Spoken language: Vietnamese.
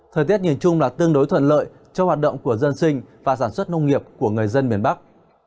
thời tiết nhìn chung là tương đối thuận lợi cho hoạt động của dân sinh và sản xuất nông nghiệp của người dân miền bắc